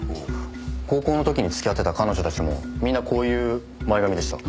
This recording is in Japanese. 高校の時に付き合ってた彼女たちもみんなこういう前髪でした。